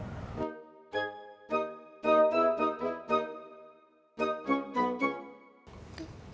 tapi gak bawa baju kan